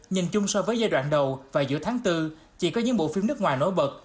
nhìn chung so với giai đoạn đầu và giữa tháng bốn chỉ có những bộ phim nước ngoài nối bật